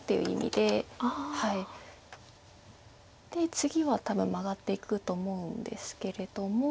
で次は多分マガっていくと思うんですけれども。